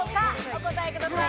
お答えください。